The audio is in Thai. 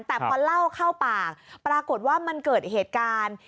แต่พอเล่าเข้าปากปรากฏว่ามันเกิดเหตุการณ์